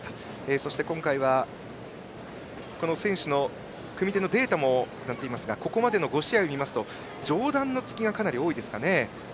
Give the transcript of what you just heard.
そして、今回は選手の組手のデータも出ていますがここまでの５試合を見ますと上段の突きがかなり多いですかね。